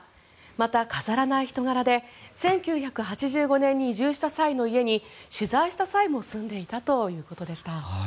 また、飾らない人柄で１９８５年に移住した際の家に取材した際も住んでいたということでした。